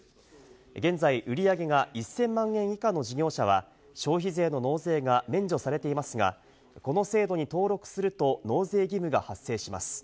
現在、売上が１０００万円以下の事業者は、消費税の納税が免除されていますが、この制度に登録すると納税義務が発生します。